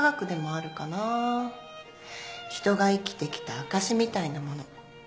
人が生きてきた証しみたいなもの